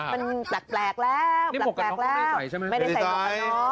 มันแปลกแล้วแปลกแล้วไม่ได้ใส่หมวกกันน็อก